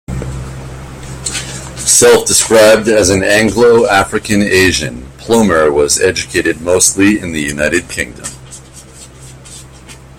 Self-described as an "Anglo-African-Asian", Plomer was educated mostly in the United Kingdom.